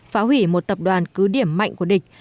phá hủy một tập đoàn cứ điểm mạnh của địch